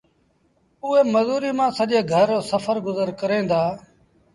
اُئي مزوريٚ مآݩ سڄي گھر رو گزر سڦر ڪريݩ دآ۔